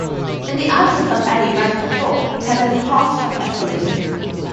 In the absence of any rent control, tenants' costs have escalated.